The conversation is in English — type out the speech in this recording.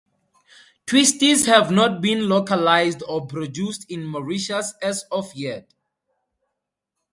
Twisties have not been localised or produced in Mauritius as of yet.